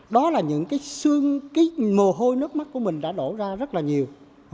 đó là những cái xương cái mồ hôi nước mắt của mình đã đổ ra rất là nhiều